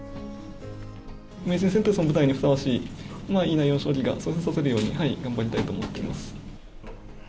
名人戦という舞台にふさわしい、いい内容の将棋が指せるように頑張りたいと思ってます。